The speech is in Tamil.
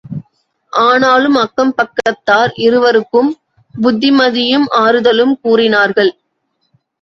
ஆனாலும் அக்கம் பக்கத்தார் இருவருக்கும் புத்திமதியும் ஆறுதலும் கூறினார்கள்.